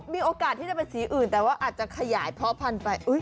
มีโอกาสที่จะไปสีอื่นแต่ว่าอาจจะขยายเพาะพันธุ์ไป